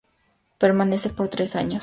Permanece por tres años.